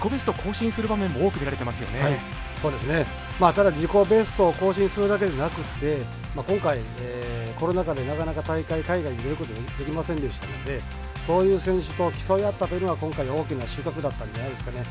ただ自己ベストを更新するだけでなくて今回コロナ禍でなかなか大会海外に出ることができませんでしたのでそういう選手と競い合ったというのが今回大きな収穫だったんじゃないですかね。